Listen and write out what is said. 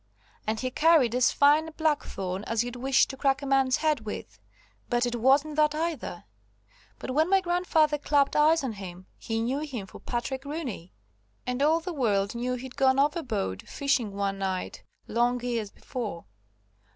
And he carried as fine a blackthorn as you'd wish to crack a man's head with. But it wasn't that either. But when my grandfather clapped eyes on him, he knew him for Patrick Rooney, and all the world knew he'd gone overboard, fishing one night, long years before.